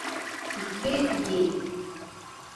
Иҫке ей